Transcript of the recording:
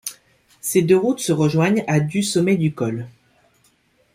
Ces deux routes se rejoignent à du sommet du col.